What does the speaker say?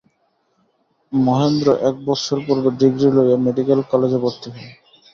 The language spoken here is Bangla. মহেন্দ্র এক বৎসর পূর্বে ডিগ্রী লইয়া মেডিকাল কালেজে ভর্তি হয়।